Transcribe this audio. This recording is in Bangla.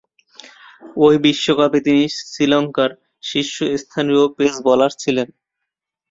ঐ বিশ্বকাপে তিনি শ্রীলঙ্কার শীর্ষস্থানীয় পেস বোলার ছিলেন।